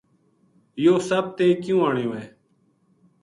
یوہ سپ تیں کیوں آنیو ہے